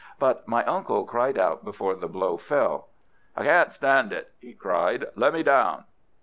But my uncle cried out before the blow fell. "I can't stand it!" he cried. "Let me down!"